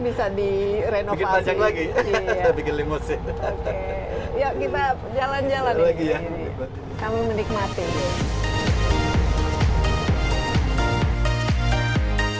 bisa direnovasi bikin panjang lagi